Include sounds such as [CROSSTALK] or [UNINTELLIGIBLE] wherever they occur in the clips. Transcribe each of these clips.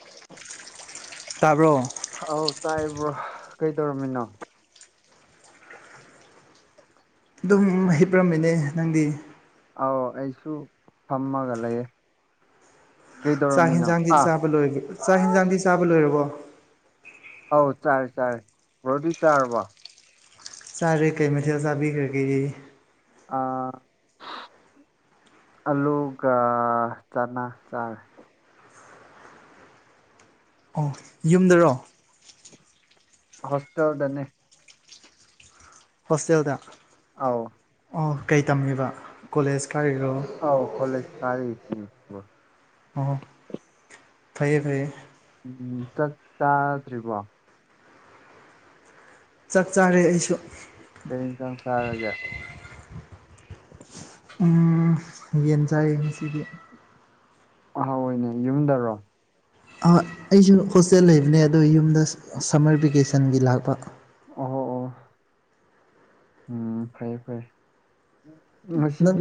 [UNINTELLIGIBLE] ꯇꯥꯕ꯭ꯔꯣ ꯑꯧ ꯇꯥꯏꯌꯦ ꯕ꯭ꯔꯣ ꯀꯩꯇꯧꯔꯝꯃꯤꯅꯣ ꯑꯗꯨꯝ ꯍꯤꯞꯔꯝꯃꯤꯅꯦ ꯅꯪꯗꯤ ꯑꯥꯎ ꯑꯩꯁꯨ ꯐꯝꯃꯒ ꯂꯩꯌꯦ ꯀꯩꯗꯧꯔꯝꯃꯤꯅꯣ ꯑꯥ ꯂꯣꯏꯗꯤ [UNINTELLIGIBLE] ꯆꯥꯛ ꯍꯦꯟꯖꯥꯡꯗꯤ ꯆꯥꯕ ꯂꯣꯏꯔꯕꯣ ꯑꯧ ꯆꯥꯔꯦ ꯆꯥꯔꯦ ꯕ꯭ꯔꯣ ꯍꯣꯏꯗꯤ ꯆꯥꯔꯕꯣ ꯆꯥꯔꯦ ꯀꯩ ꯃꯊꯦꯜ ꯆꯥꯕꯤꯈ꯭ꯔꯒꯦ ꯑꯥ [UNINTELLIGIBLE] ꯑꯜꯂꯨꯒ ꯆꯅꯥ ꯆꯥꯔꯦ ꯑꯣ ꯌꯨꯝꯗꯔꯣ ꯍꯣꯁꯇꯦꯜꯗꯅꯦ ꯍꯣꯁꯇꯦꯜꯗ ꯑꯥꯎ ꯑꯣ ꯀꯩ ꯇꯝꯃꯤꯕ ꯀꯣꯂꯦꯖ ꯀꯥꯔꯤꯔꯣ ꯑꯥꯎ ꯀꯣꯂꯦꯖ ꯀꯥꯔꯤ ꯑꯣ ꯐꯩꯌꯦ ꯐꯩꯌꯦ ꯎꯝ ꯆꯥꯛ ꯆꯥꯗ꯭ꯔꯤꯕꯣ ꯆꯥꯛ ꯆꯥꯔꯦ ꯑꯩꯁꯨ ꯀꯩ ꯍꯦꯡꯖꯥꯡ ꯆꯥꯔꯒꯦ ꯎꯝ ꯌꯦꯟ ꯆꯥꯏꯌꯦ ꯉꯁꯤꯗꯤ ꯑꯍꯥꯎꯏꯅꯦ ꯌꯨꯝꯗꯔꯣ ꯑꯥ ꯑꯩꯁꯨ ꯍꯣꯁꯇꯦꯜ ꯂꯩꯕꯅꯦ ꯑꯗꯣ ꯌꯨꯝꯗ ꯁꯝꯃꯔ ꯚꯦꯀꯦꯁꯟꯒꯤ ꯂꯥꯛꯄ ꯑꯣ ꯑꯣ ꯑꯣ ꯎꯝ ꯐꯩ ꯐꯩ [INAUDIBLE] ꯅꯪ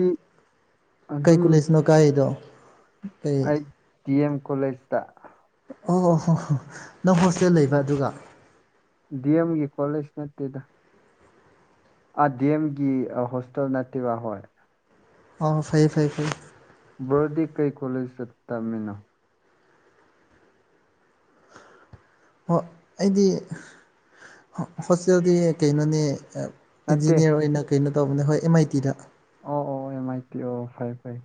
ꯀꯩ ꯑꯗꯨꯝ ꯀꯨꯂꯁꯅꯣ ꯀꯥꯏꯗꯣ ꯑꯩ ꯗꯤ ꯑꯦꯝ ꯀꯣꯂꯦꯖꯇ ꯑꯣ ꯍꯣꯍꯣ ꯅꯪ ꯍꯣꯁꯇꯦꯜ ꯂꯩꯕ ꯑꯗꯨꯒ ꯗꯤ ꯑꯦꯝꯒꯤ ꯀꯣꯂꯦꯖ ꯅꯠꯇꯦꯗ ꯑꯥ ꯑꯦꯝꯒꯤ ꯍꯣꯁꯇꯦꯜ ꯅꯠꯇꯦꯕ ꯍꯣꯏ ꯑꯣ ꯐꯩꯌꯦ ꯐꯩꯌꯦ ꯐꯩ ꯕꯔꯣꯗꯤ ꯀꯩ ꯀꯣꯂꯦꯖꯇ ꯇꯝꯃꯤꯅꯣ ꯍ ꯑꯩꯗꯤ ꯍꯣꯁꯇꯦꯜꯗꯤ ꯀꯩꯅꯣꯅꯦ ꯅꯠꯇꯦ ꯏꯟꯖꯤꯅꯤꯌꯔ ꯑꯣꯏꯅ ꯀꯩꯅꯣ ꯇꯧꯕꯅꯦ ꯍꯣꯏ ꯑꯦꯝ ꯑꯥꯏ ꯇꯤꯗ ꯑꯣ ꯑꯣ ꯑꯦꯝ ꯑꯥꯏ ꯇꯤ ꯑꯣ ꯐꯩ ꯐꯩ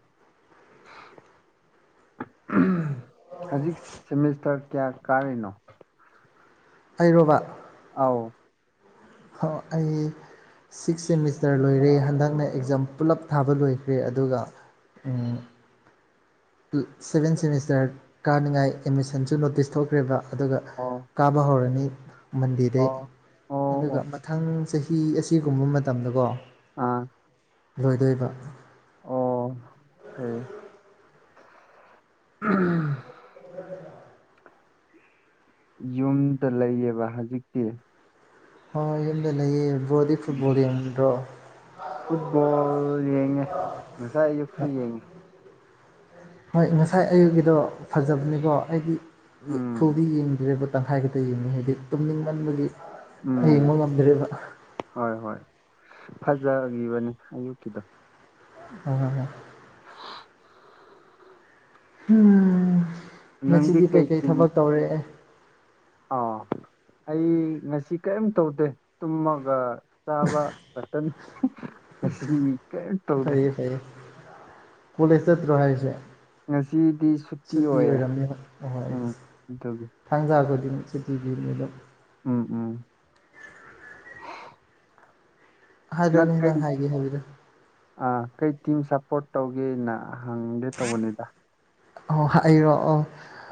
ꯍꯧꯖꯤꯛ ꯁꯦꯃꯤꯁꯇꯔ ꯀꯌꯥ ꯀꯥꯔꯤꯅꯣ ꯑꯩꯔꯣꯕ ꯑꯥꯎ ꯍꯣ ꯑꯩ ꯁꯤꯛꯁ ꯁꯦꯃꯤꯁꯇꯔ ꯂꯣꯏꯔꯦ ꯍꯟꯗꯛꯅ ꯑꯦꯛꯖꯥꯝ ꯄꯨꯜꯂꯞ ꯊꯥꯕ ꯂꯣꯏꯈ꯭ꯔꯦ ꯑꯗꯨꯒ ꯎꯝ ꯁꯚꯦꯟ ꯁꯦꯃꯤꯁꯇꯔ ꯀꯥꯅꯤꯡꯉꯥꯏ ꯑꯦꯠꯃꯤꯁꯟꯁꯨ ꯅꯣꯇꯤꯁ ꯊꯣꯛꯈ꯭ꯔꯦꯕ ꯑꯗꯨꯒ ꯑꯣ ꯀꯥꯕ ꯍꯧꯔꯅꯤ ꯃꯟꯗꯤꯔꯗꯩ ꯑꯣ ꯑꯣ ꯑꯣ ꯑꯗꯨꯒ ꯃꯊꯪ ꯆꯍꯤ ꯑꯁꯤꯒꯨꯝꯕ ꯃꯇꯝꯗꯀꯣ ꯑꯥ ꯂꯣꯏꯗꯣꯏꯕ ꯑꯣ [UNINTELLIGIBLE] [UNINTELLIGIBLE] ꯌꯨꯝꯗ ꯂꯩꯌꯦꯕ ꯍꯧꯖꯤꯛꯇꯤ ꯍꯣꯏ ꯌꯨꯝꯗ ꯂꯩꯌꯦ ꯕꯣꯗꯤ ꯎꯝ ꯐꯨꯠꯕꯣꯜ ꯌꯦꯡꯗ꯭ꯔꯣ ꯐꯨꯠꯕꯣꯜ ꯌꯦꯡꯉꯦ ꯉꯁꯥꯏ ꯑꯌꯨꯛꯁꯨ ꯌꯦꯡꯉꯤ ꯍꯣꯏ ꯉꯁꯥꯏ ꯑꯌꯨꯒꯤꯗꯣ ꯐꯖꯕꯅꯤꯀꯣ ꯑꯩꯒꯤ ꯎꯝ ꯐꯨꯜꯗꯤ ꯌꯦꯡꯗ꯭ꯔꯦꯕꯥ ꯇꯪꯈꯥꯏ ꯈꯛꯇ ꯌꯦꯡꯉꯤ ꯍꯥꯏꯗꯤ ꯇꯨꯝꯅꯤꯡꯃꯟꯕꯒꯤ ꯎꯝ ꯌꯦꯡꯕ ꯉꯝꯗ꯭ꯔꯦꯕ ꯍꯣꯏ ꯍꯣꯏ ꯐꯖꯈꯤꯕꯅꯤ ꯑꯌꯨꯛꯀꯤꯗꯣ [UNINTELLIGIBLE] ꯎꯝ ꯅꯪꯗꯤ ꯉꯁꯤꯗꯤ ꯀꯩ ꯀꯩꯀꯩ ꯇꯤꯝ ꯊꯕꯛ ꯇꯧꯔꯦ ꯑꯥ ꯑꯩ ꯉꯁꯤ ꯀꯔꯤꯝ ꯇꯧꯗꯦ ꯇꯨꯝꯃꯒ ꯆꯥꯕ ꯃꯇꯟ ꯉꯁꯤ ꯀꯔꯤꯝ ꯇꯧꯗꯦ [UNINTELLIGIBLE] ꯀꯣꯂꯤꯖ ꯆꯠꯇ꯭ꯔꯣ ꯍꯥꯢꯁꯦ ꯉꯁꯤꯗꯤ ꯁꯨꯇꯤ ꯑꯣꯏꯌꯦ ꯎꯝ ꯑꯗꯨꯒꯤ ꯊꯪꯖꯥꯒꯣꯏꯗꯤ ꯁꯨꯇꯤ [UNINTELLIGIBLE] ꯎꯝ ꯎꯝ [UNINTELLIGIBLE] ꯍꯥꯏꯒꯦ ꯍꯥꯏꯕꯗꯣ ꯑ ꯀꯩ ꯇꯤꯝ ꯁꯞꯄꯣꯔꯠ ꯇꯧꯒꯦꯅ ꯍꯪꯒꯦ ꯇꯧꯕꯅꯤꯗ ꯑꯣ ꯍꯥꯏꯔꯣꯑꯣ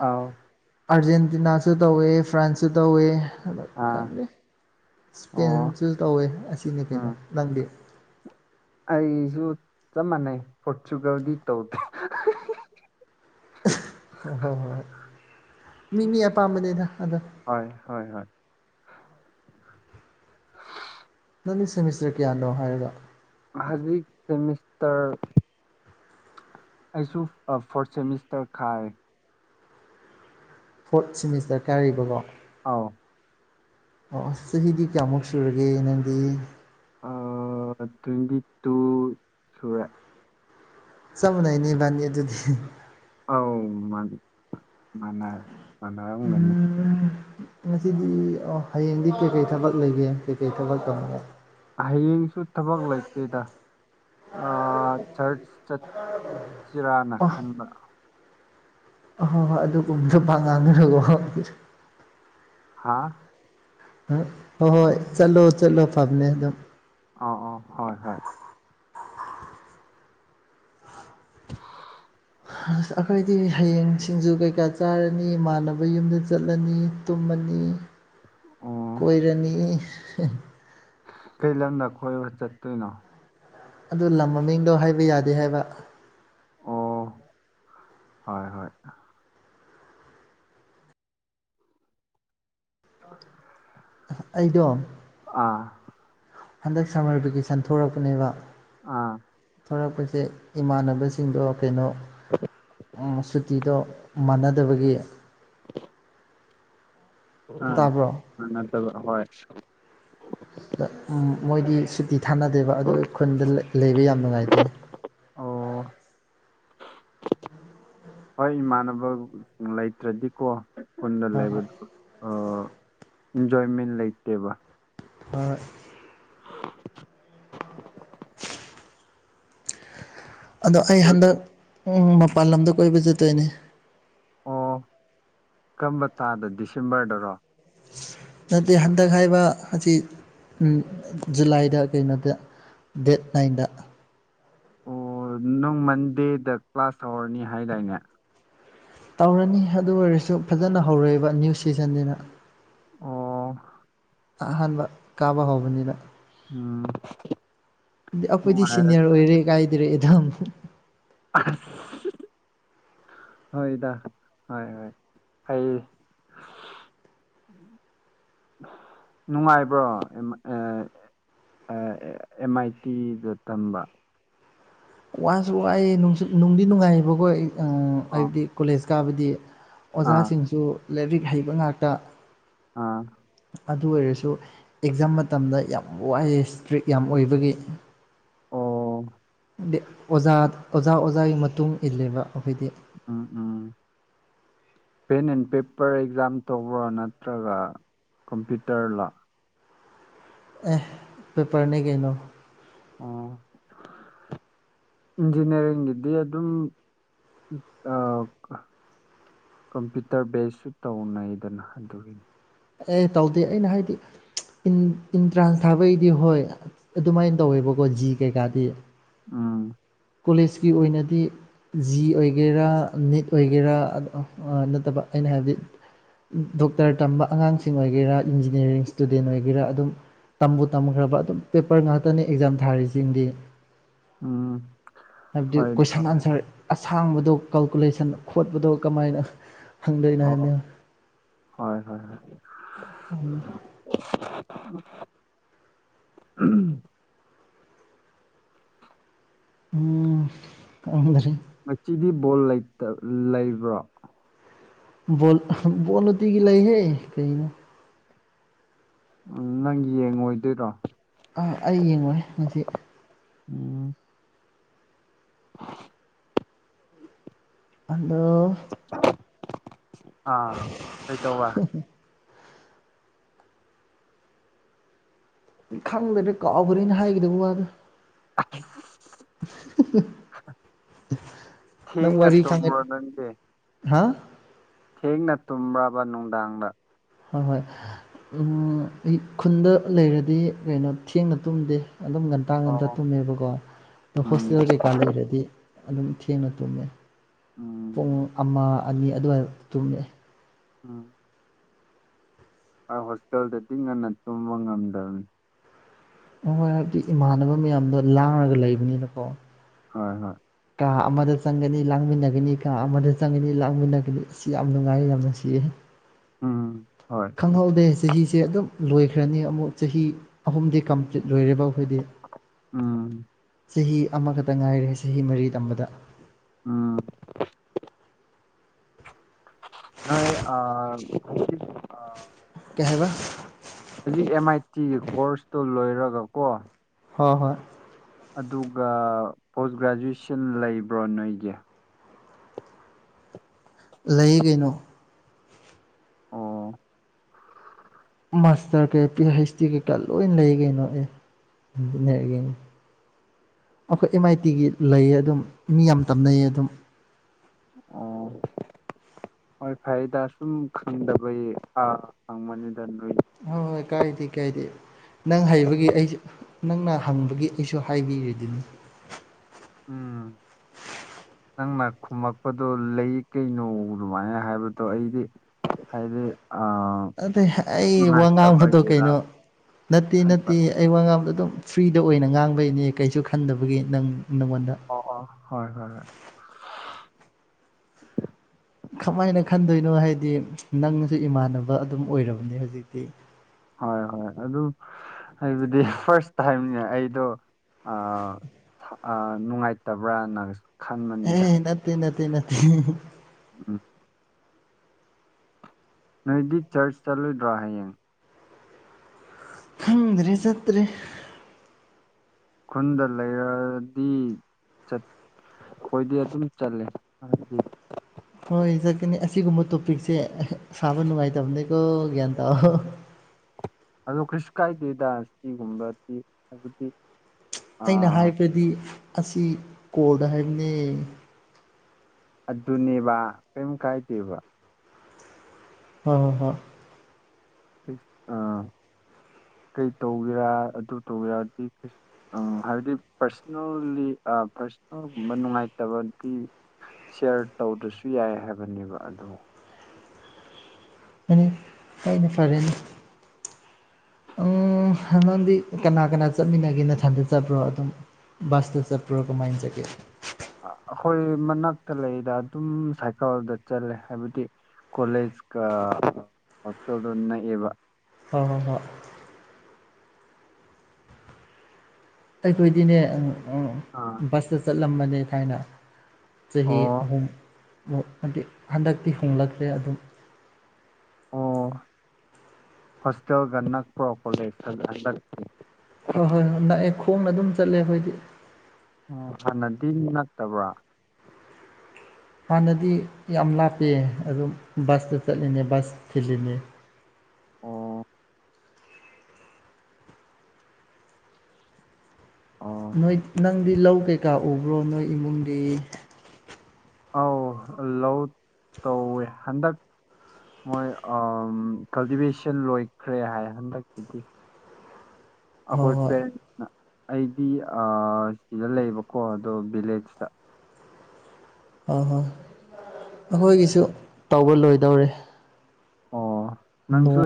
ꯑꯥꯎ ꯑꯥꯔꯖꯦꯟꯇꯤꯅꯥꯁꯨ ꯇꯧꯋꯦ ꯐ꯭ꯔꯥꯟꯁꯁꯨ ꯇꯧꯋꯦ [UNINTELLIGIBLE] ꯑꯥ ꯑꯣ ꯑꯦꯁꯄꯥꯏꯟꯁꯨ ꯇꯧꯋꯦ ꯑꯁꯤꯅꯤ ꯎꯝ ꯀꯩꯅꯣ ꯅꯪꯗꯤ ꯑꯩꯁꯨ ꯆꯞ ꯃꯥꯟꯅꯩ ꯄꯣꯔꯆꯨꯒꯜꯒꯤ ꯇꯧꯗꯦ [UNINTELLIGIBLE] ꯍ ꯍꯣꯏ ꯍꯣꯏ ꯍꯣꯏ ꯃꯤ ꯃꯤ ꯑꯄꯥꯝꯕꯅꯦꯗ ꯑꯗꯣ ꯍꯣꯏ ꯍꯣꯏ ꯍꯣꯏ ꯅꯪꯒꯤ ꯁꯦꯃꯤꯁꯇꯔ ꯀꯌꯥꯅꯣ ꯍꯥꯏꯔꯒ ꯍꯧꯖꯤꯛ ꯁꯦꯃꯤꯁꯇꯔ ꯑꯩꯁꯨ ꯐꯣꯔꯠ ꯁꯦꯃꯤꯁꯇꯔ ꯈꯥꯏꯔꯦ ꯐꯣꯔꯠ ꯁꯤꯦꯃꯤꯁꯇꯔ ꯀꯥꯏꯔꯤꯕꯀꯣ ꯑꯥꯎ꯫ ꯑꯣ ꯑꯁ ꯆꯍꯤꯗꯤ ꯀꯌꯥꯃꯨꯛ ꯁꯨꯔꯒꯦ ꯅꯪꯗꯤ ꯇ꯭ꯋꯦꯟꯇꯤ ꯇꯨ ꯁꯨꯔꯦ ꯆꯃꯨꯅꯤꯕꯅꯤ ꯑꯗꯨꯗꯤ ꯑꯧ ꯃꯥ ꯃꯥ ꯃꯥꯟꯒꯅꯦ ꯎꯝ ꯉꯁꯤꯗꯤ ꯑꯣ ꯍꯌꯦꯡꯗꯤ ꯀꯩꯀꯩ ꯊꯕꯛ ꯂꯩꯒꯦ ꯀꯩꯀꯩ ꯊꯕꯛ ꯇꯧꯒꯦ ꯍꯌꯦꯡꯁꯨ ꯊꯕꯛ ꯂꯩꯇꯦꯗ ꯆꯔꯆ ꯆꯠ ꯆꯤꯔꯥꯅ ꯈꯟꯕ ꯑ ꯍꯣꯏ ꯍꯣꯏ ꯑꯗꯨꯒꯨꯝꯕꯁꯨ ꯄ ꯉꯥꯡꯗ꯭ꯔꯣ ꯍꯥꯥ ꯍꯣꯏ ꯍꯣꯏ ꯆꯠꯂꯣ ꯆꯠꯂꯣ ꯐꯕꯅꯦ ꯑꯗꯨꯝ ꯑꯧ ꯑꯧ ꯍꯣꯏ ꯍꯣꯏ꯫ ꯑꯩꯈꯣꯏꯗꯤ ꯍꯌꯦꯡ ꯁꯤꯡꯖꯨ ꯀꯩꯀꯥ ꯆꯥꯔꯅꯤ ꯏꯃꯥꯟꯅꯕ ꯌꯨꯝꯗ ꯆꯠꯂꯅꯤ ꯇꯨꯝꯃꯅꯤ ꯑꯣ ꯀꯣꯏꯔꯅꯤ ꯀꯩ ꯂꯝꯗꯈꯣꯏꯕ ꯆꯠꯇꯣꯏꯅꯣ ꯑꯗꯨ ꯂꯝ ꯃꯃꯤꯡꯗꯣ ꯍꯥꯏꯕ ꯌꯥꯗꯦ ꯍꯥꯏꯕ ꯑꯣ ꯍꯣꯏ ꯍꯣꯏ ꯑꯣ ꯑꯩꯗꯣ ꯑꯥ ꯍꯟꯗꯛ ꯁꯝꯃꯔ ꯚꯦꯀꯦꯁꯟ ꯊꯣꯛꯂꯛꯄꯅꯦꯕ ꯑꯥ ꯊꯂꯛꯄꯁꯦ ꯏꯃꯥꯟꯅꯕꯁꯤꯡꯗꯣ ꯀꯩꯅꯣ ꯁꯨꯇꯤꯗꯣ ꯃꯥꯟꯅꯗꯕꯒꯤ꯫ ꯑ ꯇꯥꯕ꯭ꯔꯣ ꯑꯥ ꯅꯠꯇꯕ ꯑꯈꯣꯏ꯫ ꯃꯣꯏꯗꯤ ꯁꯨꯇꯤ ꯊꯥꯅꯗꯦꯕ ꯑꯗꯨꯒ ꯈꯨꯟꯗ ꯂꯩꯕ ꯌꯥꯝ ꯅꯨꯡꯉꯥꯏꯇꯦ ꯑꯣ ꯑ ꯍꯣꯏ ꯏꯃꯥꯟꯅꯕꯁꯤꯡ ꯂꯩꯇ꯭ꯔꯗꯤꯀꯣ ꯈꯨꯟꯗ ꯍꯣꯏ ꯍꯣꯏ ꯂꯩꯕꯗꯨ ꯏꯟꯖꯣꯏꯃꯦꯟ ꯂꯩꯇꯦꯕ [UNINTELLIGIBLE] [UNINTELLIGIBLE] ꯑꯗꯣ ꯑꯩ ꯄꯨꯜ- ꯍꯟꯗꯛ ꯃꯄꯥꯟ ꯂꯝꯗ ꯀꯣꯏꯕ ꯆꯠꯇꯣꯏꯅꯦ ꯑꯣ ꯀꯔꯝꯕ ꯇꯥꯗ ꯗꯤꯁꯦꯝꯕꯔꯗꯔꯣ ꯅꯠꯇꯦ ꯍꯟꯗꯛ ꯍꯥꯏꯕ ꯑꯁꯤꯖꯤꯛ ꯖꯨꯂꯥꯏꯗ ꯀꯩꯅꯣꯗ ꯗꯦꯠ ꯅꯥꯏꯟꯗ ꯑꯣ ꯅꯪ ꯃꯟꯗꯦꯗ ꯀ꯭ꯂꯥꯁ ꯇꯔꯅꯤ ꯍꯥꯏꯗꯥꯏꯅꯦ ꯇꯧꯔꯅꯤ ꯑꯗꯨ ꯑꯣꯏꯔꯁꯨ ꯐꯖꯅ ꯍꯧꯔꯛꯏꯕ ꯅ꯭ꯌꯨ ꯁꯤꯖꯟꯁꯤꯅ ꯑꯣ ꯑꯍꯥꯟꯕ ꯀꯥꯕ ꯍꯧꯕꯅꯤꯅ ꯎꯝ ꯑꯩꯈꯣꯏꯗꯤ ꯅꯨꯡꯉꯥꯏꯔꯦ ꯁꯤꯅꯤꯌꯔ ꯑꯣꯏꯔꯦ ꯀꯥꯏꯗꯔꯦ ꯑꯦꯗ ꯑ ꯍꯣꯏꯗ ꯍꯣꯏ ꯍꯣꯏ ꯑꯩ [INAUDIBLE] ꯅꯨꯡꯉꯥꯏꯕ꯭ꯔꯣ ꯑꯦꯝ ꯑꯥꯏ ꯇꯤꯗ ꯇꯝꯕ ꯋꯥꯁꯨ ꯋꯥꯏ ꯅꯨꯡꯗꯤ ꯅꯨꯡꯉꯥꯏꯌꯦꯕꯀꯣ ꯑꯣ ꯍꯥꯏꯕꯗꯤ ꯀꯣꯂꯦꯖ ꯀꯥꯕꯗꯤ ꯑꯥ ꯑꯣꯖꯥꯁꯤꯡꯁꯨ ꯂꯥꯏꯔꯤꯛ ꯍꯩꯕ ꯉꯥꯛꯇ ꯑꯥ ꯑꯗꯨ ꯑꯣꯏꯔꯁꯨ ꯑꯦꯛꯖꯥꯝ ꯃꯇꯝꯗ ꯌꯥꯝ ꯋꯥꯏꯑꯦ ꯏꯁꯇ꯭ꯔꯤꯛ ꯌꯥꯝ ꯑꯣꯏꯕꯒꯤ ꯑꯣ ꯍꯥꯏꯗꯤ ꯑꯣꯖꯥ ꯑꯣꯖꯥ ꯑꯣꯖꯥꯒꯤ ꯃꯇꯨꯡ ꯏꯜꯂꯦꯕ ꯑꯩꯈꯣꯏꯗꯤ ꯎꯝ ꯎꯝ ꯄꯦꯟ ꯑꯦꯟ ꯄꯦꯄꯔ ꯑꯦꯛꯖꯥꯝ ꯇꯧꯕ꯭ꯔꯣ ꯅꯠꯇ꯭ꯔꯒ ꯀꯝꯄ꯭ꯌꯨꯇꯔꯂ ꯑꯦ ꯄꯦꯄꯔꯅꯦ ꯀꯩꯅꯣ ꯑꯣ [INAUDIBLE] ꯏꯟꯖꯤꯅꯤꯌꯥꯔꯤꯡꯒꯤꯗꯤ ꯑꯗꯨꯝ ꯀꯝꯄ꯭ꯌꯨꯇꯔ ꯕꯦꯁꯁꯨ ꯇꯧꯅꯩꯗꯅ ꯑꯗꯨꯗꯣꯔꯤꯅꯤ ꯑꯦ ꯇꯧꯗꯦ ꯑꯩꯅ ꯍꯥꯏꯗꯤ ꯏꯟꯇ꯭ꯔꯥꯟꯁ ꯊꯥꯕꯩꯗꯤ ꯍꯣꯏ ꯑꯗꯨꯃꯥꯏꯅ ꯇꯧꯋꯦꯕꯀꯣ ꯖꯤ ꯀꯩꯀꯥꯗꯤ ꯎꯝ ꯀꯣꯂꯦꯖꯀꯤ ꯑꯣꯏꯅꯗꯤ ꯖꯤ ꯑꯣꯏꯒꯦꯔꯥ ꯅꯤꯠ ꯑꯣꯏꯒꯦꯔꯥ ꯅꯠꯇꯕ ꯑꯩꯅ ꯍꯥꯏꯕꯗꯤ ꯗꯣꯛꯇꯔ ꯇꯝꯕ ꯑꯉꯥꯡꯁꯤꯡ ꯑꯣꯏꯒꯦꯔꯥ ꯏꯟꯖꯤꯅꯤꯌꯥꯔꯤꯡ ꯏꯁꯇꯨꯗꯦꯟ ꯑꯣꯏꯒꯦꯔꯥ ꯑꯗꯨꯝ ꯇꯝꯕꯨ ꯇꯝꯈ꯭ꯔꯕ ꯑꯗꯨꯝ ꯄꯦꯞꯄꯔ ꯉꯥꯛꯇꯅꯤ ꯑꯦꯛꯖꯥꯝ ꯊꯥꯔꯤꯁꯤꯡꯗꯤ꯫ ꯎꯝ ꯍꯥꯏꯕꯗꯤ ꯍꯣꯏ ꯀꯣꯏꯁꯟ ꯍꯣꯏ ꯑꯟꯁꯔ ꯑꯁꯥꯡꯕꯗꯣ ꯀꯥꯜꯀꯨꯂꯦꯁꯟ ꯈꯣꯠꯄꯗꯣ ꯀꯃꯥꯏꯅ ꯍꯪꯗꯣꯏꯅꯣ ꯑꯣ ꯍꯥꯏꯕꯅꯤ ꯍꯣꯏ ꯍꯣꯏ ꯍꯣꯏ꯫ [INAUDIBLE] ꯎꯝ ꯎ ꯎꯝ ꯀꯗꯔꯦ ꯉꯁꯤꯗꯤ ꯕꯣꯜ ꯂꯩꯕ꯭ꯔꯣ ꯕꯣꯜ ꯅꯣꯇꯤꯒꯤ ꯂꯩꯍꯦ ꯀꯩꯅꯣ ꯎꯝ ꯅꯪ ꯌꯦꯡꯉꯣꯏꯗꯣꯏꯔꯣ ꯑ ꯑꯩ ꯌꯦꯡꯂꯨꯔꯦ ꯉꯁꯤ ꯎꯝ ꯑ ꯑꯗꯣ꯫ ꯑꯥ ꯀꯩ ꯇꯧꯕ ꯈꯪꯗ꯭ꯔ꯭ꯔꯗꯤ ꯀꯥꯎꯈ꯭ꯔꯦꯅ ꯍꯥꯏꯈꯤꯗꯕ ꯋꯥꯗꯣ ꯑꯩ ꯊꯦꯡ ꯅꯠꯇꯝꯕ ꯅꯪꯦ ꯍꯥꯥ ꯊꯦꯡꯅ ꯇꯨꯝꯕ ꯅꯨꯡꯗꯥꯡꯗ ꯍꯣꯏ ꯍꯣꯏ ꯑꯩ ꯈꯨꯟꯗ ꯂꯩꯔꯗꯤ ꯀꯩꯅꯣ ꯊꯦꯡꯅ ꯇꯨꯝꯗꯦ ꯑꯗꯨꯝ ꯉꯟ ꯃꯇꯥꯡꯗ ꯑꯇ ꯑꯣ ꯇꯨꯝꯃꯦꯕꯀꯣ ꯑꯗꯣ ꯎꯝ ꯍꯣꯁꯇꯦꯜ ꯀꯩꯀꯥ ꯂꯩꯔꯗꯤ ꯑꯗꯨꯝ ꯊꯦꯡꯅ ꯇꯨꯝꯃꯦ ꯎꯝ ꯄꯨꯡ ꯑꯃ ꯑꯅꯤ ꯑꯗꯨꯋꯥꯏ ꯇꯨꯝꯃꯦꯑꯦ ꯎꯝ ꯑꯩ ꯍꯣꯁꯇꯦꯜꯗꯗꯤ ꯉꯟꯅ ꯇꯨꯝꯕ ꯉꯝꯗꯕꯅꯤ ꯍꯣꯏ ꯍꯥꯏꯕꯗꯤ ꯏꯃꯥꯟꯅꯕ ꯃꯌꯥꯝꯗꯣ ꯂꯥꯡꯔꯒ ꯂꯩꯕꯅꯤꯅꯀꯣ ꯍꯣꯏ ꯍꯣꯏ ꯀꯥ ꯑꯃꯗ ꯆꯪꯒꯅꯤ ꯂꯥꯡꯃꯤꯟꯅꯒꯅꯤ ꯀꯥ ꯑꯃꯗ ꯆꯪꯒꯅꯤ ꯂꯥꯡꯃꯤꯟꯅꯒꯅꯤ ꯏꯁ ꯌꯥꯝ ꯅꯨꯉꯥꯏꯌꯦ ꯌꯥꯝ ꯅꯨꯡꯁꯤꯌꯦꯍꯦ [UNINTELLIGIBLE] ꯎꯝ ꯍꯣꯏ ꯈꯪꯍꯧꯗꯦ ꯆꯍꯤꯁꯦ ꯑꯗꯨꯝ ꯂꯣꯏꯈ꯭ꯔꯅꯤ ꯑꯃꯨꯛ ꯆꯍꯤ ꯑꯍꯨꯝꯗꯤ ꯀꯝꯄ꯭ꯂꯤꯠ ꯂꯣꯏꯔꯤꯕ ꯑꯩꯈꯣꯏꯗꯤ ꯎꯝ ꯆꯍꯤ ꯑꯃꯈꯛꯇ ꯉꯥꯏꯔꯦ ꯆꯍꯤ ꯃꯔꯤ ꯇꯝꯕꯗ ꯎꯝ ꯅꯪ ꯑꯥ [UNINTELLIGIBLE] ꯀꯩ ꯍꯥꯏꯕ ꯍꯧꯖꯤꯛ ꯑꯦꯝ ꯑꯥꯏ ꯇꯤꯒꯤ ꯀꯣꯔꯁꯇꯨ ꯂꯣꯏꯔꯒ ꯀꯣ ꯍꯣꯏ ꯍꯣꯏ ꯑꯗꯨꯒ ꯄꯣꯁ ꯒ꯭ꯔꯦꯖꯨꯑꯦꯁꯟ ꯂꯩꯕ꯭ꯔꯣ ꯅꯣꯏꯒꯤ ꯂꯩꯌꯦ ꯀꯩꯅꯣ ꯑꯣ ꯃꯥꯁꯇꯔ ꯀꯩ ꯄꯤ ꯍꯩꯆ ꯗꯤ ꯀꯩꯀꯥ ꯂꯣꯏ ꯂꯩ ꯀꯩꯅꯣ ꯑꯦ ꯏꯟꯖꯤꯅꯤꯌꯥꯔꯤꯡ ꯑꯩꯈꯣꯏ ꯑꯦꯝ ꯑꯥꯏ ꯇꯤꯒꯤ ꯂꯩꯌꯦ ꯑꯗꯨꯝ ꯃꯤ ꯌꯥꯝ ꯇꯝꯅꯩꯌꯦ ꯑꯗꯨꯝ ꯑꯣ ꯍꯣꯏ ꯐꯔꯦꯗ ꯁꯨꯝ ꯈꯪꯗꯕꯒꯤ ꯑ ꯍꯪꯕꯅꯤꯗ ꯅꯣꯏ ꯍꯣꯏ ꯍꯣꯏ ꯀꯥꯏꯗꯦ ꯀꯥꯏꯗꯦ ꯅꯪ ꯍꯩꯕꯒꯤ ꯑꯩꯁꯨ ꯅꯪꯅ ꯍꯪꯕꯒꯤ ꯑꯩꯁꯨ ꯍꯥꯏꯕꯤꯔꯤꯗꯨꯅꯤ ꯎꯝ ꯅꯪꯅ ꯈꯨꯝꯃꯛꯄꯗꯣ ꯂꯩ ꯀꯩꯅꯣ ꯑꯗꯨꯃꯥꯏꯅ ꯍꯥꯏꯕꯗꯣ ꯑꯩꯗꯤ ꯍꯥꯏꯗꯤ ꯑ ꯑꯗꯩ ꯑꯩ ꯋꯥ ꯉꯥꯡꯕꯗꯣ ꯀꯩꯅꯣ ꯅꯠꯇꯦ ꯈꯟꯕ ꯅꯠꯇꯦ ꯑꯩ ꯋꯥ ꯉꯥꯡꯕꯗꯣ ꯑꯗꯨꯝ ꯐ꯭ꯔꯤꯗ ꯑꯣꯏꯅ ꯉꯥꯡꯕꯩꯅꯦ ꯀꯩꯁꯨ ꯈꯟꯗꯕꯒꯤ ꯅꯪ ꯅꯪꯉꯣꯟꯗ ꯑꯣ ꯐꯣ ꯍꯣꯏ ꯍꯣꯏ ꯍꯣꯏ ꯈꯃꯥꯏꯅ ꯈꯟꯗꯣꯏꯅꯣ ꯍꯥꯏꯗꯤ ꯅꯪꯅꯁꯨ ꯏꯃꯥꯟꯅꯕ ꯑꯗꯨꯝ ꯑꯣꯏꯔꯕꯅꯦ ꯍꯧꯖꯤꯛꯇꯤ ꯍꯣꯏ ꯍꯣꯏ ꯑꯗꯨ ꯍꯥꯏꯕꯗꯤ ꯐꯥꯔꯁ ꯇꯥꯏꯝꯅꯦ ꯑꯩꯗꯣ ꯑ ꯑ ꯅꯨꯡꯉꯥꯏꯇꯕ꯭ꯔꯅ ꯑꯦ ꯅꯠꯇꯦ ꯅꯠꯇꯦ ꯅꯠꯇꯦ ꯎꯝ ꯅꯣꯏꯗꯤ ꯆꯔꯁ ꯆꯠꯂꯣꯏꯗ꯭ꯔꯥ ꯍꯌꯦꯡ ꯈꯪꯗ꯭ꯔꯦ ꯆꯠꯇ꯭ꯔꯦ ꯈꯨꯟꯗ ꯂꯩꯔꯗꯤ ꯆꯠ ꯑꯩꯈꯣꯏꯗꯤ ꯑꯗꯨꯝ ꯆꯠꯂꯦ ꯍꯥꯏꯕꯗꯤ ꯍꯣꯏ ꯆꯀꯅꯤ ꯑꯁ ꯁꯤꯒꯨꯝꯕ ꯇꯣꯄꯤꯛꯁꯦ ꯁꯥꯕ ꯅꯨꯡꯉꯥꯏꯇꯕꯅꯤꯀꯣ ꯒ꯭ꯌꯥꯟ ꯇꯥꯑꯣ ꯑꯗꯣ ꯀꯔꯤꯁꯨ ꯀꯥꯏꯗꯦꯗ ꯁꯤꯒꯨꯝꯕꯗꯤ ꯍꯥꯏꯕꯗꯤ ꯑꯩꯅ ꯑꯥ ꯍꯥꯏꯕꯗꯤ ꯑꯁꯤ ꯀꯣꯜꯗ ꯍꯥꯏꯕꯅꯦ ꯑꯗꯨꯅꯦꯕ ꯀꯌꯝ ꯀꯥꯏꯗꯦꯕ ꯍꯣꯏ ꯍꯣꯏ ꯍꯣꯢ ꯑꯥ ꯀꯩ ꯇꯧꯒꯦꯔꯥ ꯑꯗꯨ ꯇꯧꯒꯦꯔꯗꯤ ꯀꯩꯁꯨ ꯑ ꯍꯥꯏꯗꯤ ꯄꯔꯁꯅꯦꯜꯂꯤ ꯄꯔꯁꯅꯦꯜꯒꯨꯝꯕ ꯅꯨꯡꯉꯥꯏꯇꯕꯗꯤ ꯁꯤꯌꯥꯔ ꯇꯧꯗ꯭ꯔꯁꯨ ꯌꯥꯏ ꯍꯥꯏꯕꯅꯦꯕ ꯑꯗꯣ ꯍꯣꯏꯅꯦ ꯑꯩꯅ ꯐꯔꯦꯅꯦ ꯎꯝ ꯍꯗꯣꯟꯗꯤ ꯀꯅꯥ ꯀꯅꯥ ꯆꯠꯃꯤꯟꯅꯒꯦ ꯅꯊꯟꯗ ꯆꯠꯄ꯭ꯔꯣ ꯑꯗꯨꯝ ꯕꯥꯥꯁꯇꯨ ꯆꯄ꯭ꯔꯣ ꯀꯃꯥꯏ ꯆꯀꯦ ꯑ ꯑꯩꯈꯣꯏ ꯃꯅꯥꯛꯇ ꯂꯩꯗ ꯑꯗꯨꯝ ꯁꯥꯏꯀꯜꯗ ꯆꯠꯂꯦ ꯍꯥꯏꯕꯗꯤ ꯀꯣꯂꯦꯖ ꯀ ꯍꯣꯁꯇꯦꯜꯗꯨ ꯅꯛꯏꯕ ꯍꯣ ꯍꯣ ꯍꯣ ꯑꯩꯈꯣꯏꯗꯤꯅꯦ ꯑꯥ ꯕꯁꯇ ꯆꯠꯂꯝꯕꯅꯤ ꯊꯥꯏꯅ ꯆꯍꯤ ꯑꯣ ꯑꯍꯨꯝ ꯍꯟꯗꯛꯇꯤ ꯍꯣꯡꯂꯛꯇ꯭ꯔꯦ ꯑꯗꯨꯝ ꯍꯁꯇꯦꯜꯦꯜꯒꯟꯅ ꯄ꯭ꯔꯣꯄꯣꯂꯦ ꯍꯣꯏ ꯍꯣꯏ ꯍꯣꯏ ꯅꯛꯑꯦ ꯈꯣꯡꯅ ꯑꯗꯨꯝ ꯆꯠꯂꯦ ꯑꯩꯈꯣꯏꯗꯤ ꯎꯝ ꯐꯥꯟꯅꯗꯤ ꯅꯛꯇꯕ꯭ꯔꯥ ꯍꯥꯟꯅꯗꯤ ꯌꯥꯝ ꯂꯥꯞꯄ ꯑꯗꯨꯝ ꯕꯁꯇ ꯆꯠꯂꯤꯅꯦ ꯕꯁ ꯊꯤꯜꯂꯤꯅꯦ ꯑꯣ ꯑꯣ ꯅꯣꯏ ꯅꯪꯗꯤ ꯂꯧ ꯀꯩꯀꯥ ꯎꯕ꯭ꯔꯣ ꯅꯣꯏ ꯏꯃꯨꯡꯗꯤ ꯑꯥꯎ ꯂꯧ ꯇꯧꯋꯦ ꯍꯟꯗꯛ ꯃꯣꯏ ꯀꯜꯇꯤꯚꯦꯁꯟ ꯂꯣꯏꯈ꯭ꯔꯦ ꯍꯥꯏ ꯍꯟꯗꯛꯀꯤꯗꯤ [INAUDIBLE] ꯑꯩꯈꯣꯏ ꯄꯦꯔꯦꯟꯁꯅ ꯑꯩꯗꯤ ꯁꯤꯗ ꯂꯩꯕꯀꯣ ꯑꯗꯣ ꯚꯤꯂꯦꯖꯇ ꯑꯣꯏ ꯍꯣꯏ ꯑꯩꯈꯣꯏꯒꯤꯁꯨ ꯇꯧꯕ ꯂꯣꯏꯗꯧꯔꯦ ꯑꯣ ꯅꯣꯡ ꯅꯪꯁꯨ